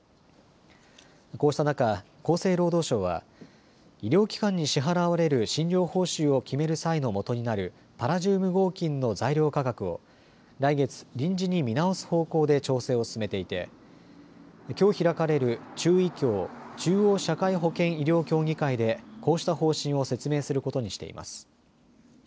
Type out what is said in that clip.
こうした中、厚生労働省は医療機関に支払われる診療報酬を決める際のもとになるパラジウム合金の材料価格を来月、臨時に見直す方向で調整を進めていてきょう開かれる中医協・中央社会保険医療協議会でこうした方針を説明することにしています。